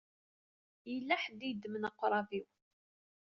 Yella ḥedd i yeddmen aqṛab-iw.